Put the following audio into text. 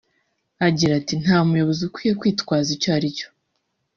Agira ati “Nta muyobozi ukwiye kwitwaza icyo ari cyo